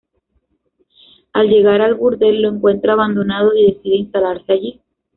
Al llegar al burdel, lo encuentra abandonado y decide instalarse allí.